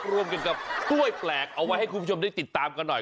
รวมกันกับกล้วยแปลกเอาไว้ให้คุณผู้ชมได้ติดตามกันหน่อย